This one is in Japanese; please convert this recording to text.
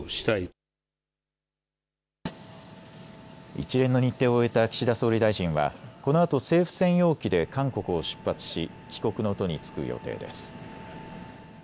一連の日程を終えた岸田総理大臣はこのあと政府専用機で韓国を出発し帰国の途に就く予定です。